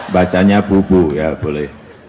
bacanya bubu ya boleh